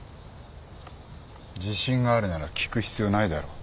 自信があるなら聞く必要ないだろう。